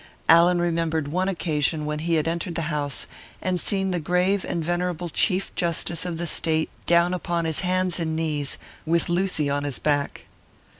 Allan remembered one occasion when he had entered the house and seen the grave and venerable chief justice of the State down upon his hands and knees, with Lucy on his back.